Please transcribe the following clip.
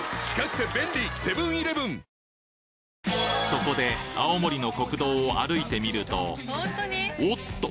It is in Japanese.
そこで青森の国道を歩いてみるとおっと！